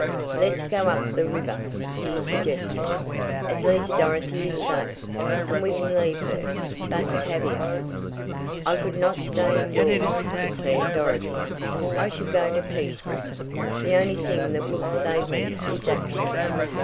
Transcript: "Let's go up the river," he suggested. "At least Dorothy is safe, and we can leave her, but Tavia " "I could not stay indoors," declared Dorothy. "I should go to pieces! The only thing that will save me is action.